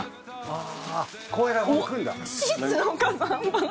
ああ。